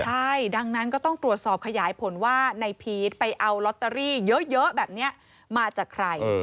ใช่ดังนั้นก็ต้องตรวจสอบขยายผลว่าในพีชไปเอาลอตเตอรี่เยอะแบบนี้มาจากใคร